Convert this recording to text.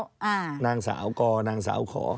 ขอหน้าครับนางสาวขอ